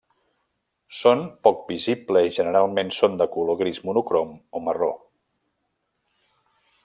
Són poc visible i generalment són de color gris monocrom o marró.